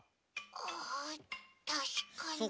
あたしかに。